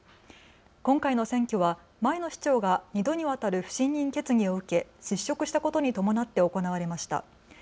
今回の選挙は前の市長が２度にわたる不信任決議を受け失職したことに伴って行われました。